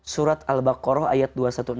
surat al baqarah ayat dua ratus enam belas